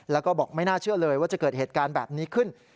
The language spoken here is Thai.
แล้วก็บอกไม่น่าเชื่อเลยว่าจะเกิดเหตุการณ์แบบนี้ขึ้น